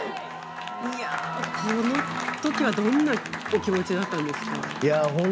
このときはどんなお気持ちだったんですか？